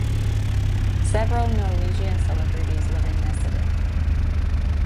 Several Norwegian celebrities live in Nesodden.